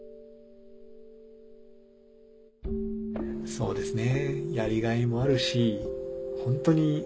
そうですね。